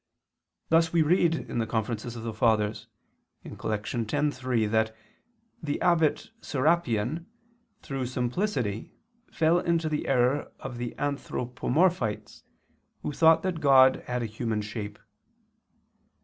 Thus we read in the Conferences of the Fathers (Coll. x, 3) that the Abbot Serapion through simplicity fell into the error of the Anthropomorphites, who thought that God had a human shape.